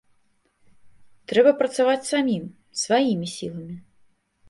Трэба працаваць самім, сваімі сіламі.